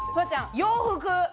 洋服。